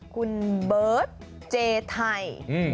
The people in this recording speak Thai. คุณเบิร์ตเจไทย